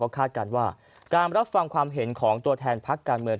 คาดการณ์ว่าการรับฟังความเห็นของตัวแทนพักการเมือง